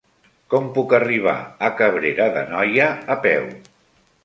Com puc arribar a Cabrera d'Anoia a peu?